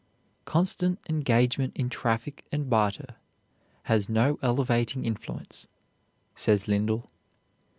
"Constant engagement in traffic and barter has no elevating influence," says Lyndall.